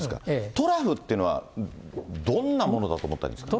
トラフっていうのは、どんなものだと思ったらいいんですか。